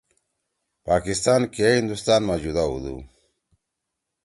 پاکستان کے ہندوستان ما جُدا ہو دو؟